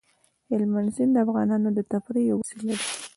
هلمند سیند د افغانانو د تفریح یوه وسیله ده.